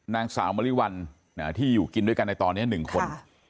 นางสาวมริวัลที่อยู่กินด้วยกันในตอนนี้๑คน